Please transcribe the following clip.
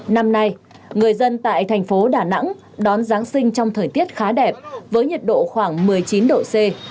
năm nay người dân tại thành phố đà nẵng đón giáng sinh trong thời tiết khá đẹp với nhiệt độ khoảng một mươi chín độ c